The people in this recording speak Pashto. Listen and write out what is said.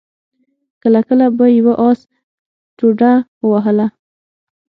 کله کله به يوه آس ټوډه ووهله.